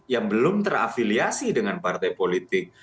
yang belum terafiliasi dengan partai politik